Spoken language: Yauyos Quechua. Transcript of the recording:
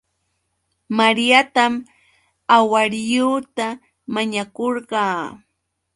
Mariatam awhariieuta mañakurqaa